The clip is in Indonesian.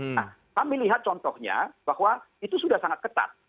nah kami lihat contohnya bahwa itu sudah sangat ketat